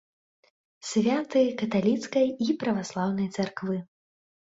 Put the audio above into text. Святы каталіцкай і праваслаўнай царквы.